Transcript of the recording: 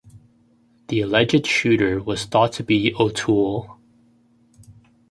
The alleged shooter was thought to be O'Toole.